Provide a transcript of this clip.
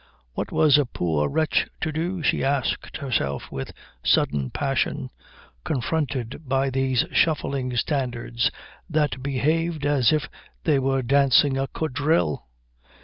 What was a poor wretch to do, she asked herself with sudden passion, confronted by these shuffling standards that behaved as if they were dancing a quadrille?